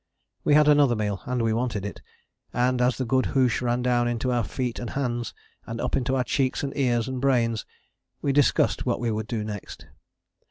We had another meal, and we wanted it: and as the good hoosh ran down into our feet and hands, and up into our cheeks and ears and brains, we discussed what we would do next.